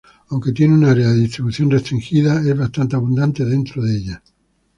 Aunque tiene un área de distribución restringida es bastante abundante dentro de ella.